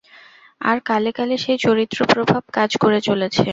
আর কালে কালে সেই চরিত্র-প্রভাব কাজ করে চলেছে।